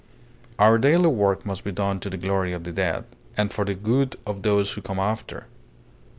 Our daily work must be done to the glory of the dead, and for the good of those who come after.